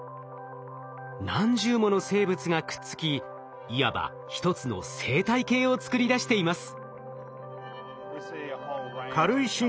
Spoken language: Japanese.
何十もの生物がくっつきいわばひとつの生態系を作り出しています。